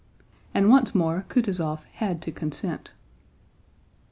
And once more Kutúzov had to consent.